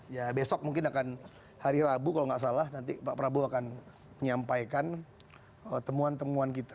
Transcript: ya besok mungkin akan hari rabu kalau nggak salah nanti pak prabowo akan menyampaikan temuan temuan kita